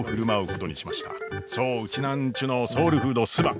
そうウチナーンチュのソウルフードすば！